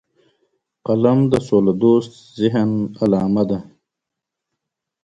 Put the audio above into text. قلم د سولهدوست ذهن علامه ده